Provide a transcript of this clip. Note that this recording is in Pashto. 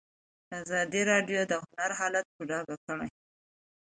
ازادي راډیو د هنر حالت په ډاګه کړی.